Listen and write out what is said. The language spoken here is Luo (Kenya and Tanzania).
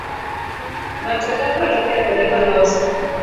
Matoka pod okethore waloso.